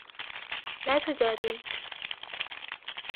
لا تُجادِل.